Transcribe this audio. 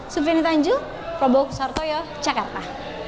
sufini tanju prabowo sartoyo jakarta